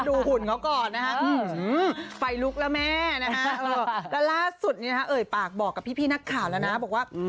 ดูหุ่นเขาก่อนนะฮะ